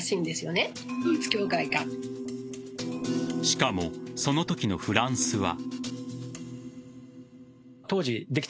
しかも、そのときのフランスは。